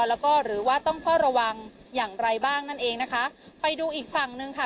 แล้วก็หรือว่าต้องเฝ้าระวังอย่างไรบ้างนั่นเองนะคะไปดูอีกฝั่งหนึ่งค่ะ